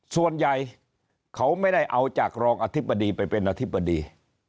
ส่วนใหญ่เขาไม่ได้เอาจากรองอธิบดีไปเป็นอธิบดี